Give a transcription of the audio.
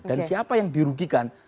dan siapa yang dirugikan